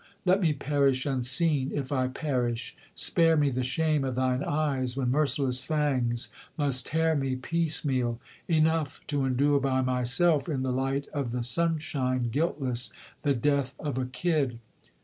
Let me perish unseen, if I perish! Spare me the shame of thine eyes, when merciless fangs must tear me Piecemeal! Enough to endure by myself in the light of the sunshine Guiltless, the death of a kid!'